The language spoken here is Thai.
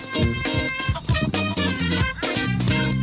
เวลา